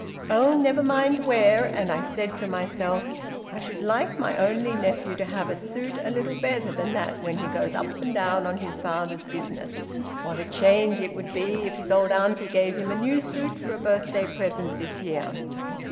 Oh, never mind where. And I said to myself; `I should like my only nephew to have a suit a little better than that when he goes up and down on his father's business. What a change it would be if his old auntie gave him a new suit for a birthday present this year!'"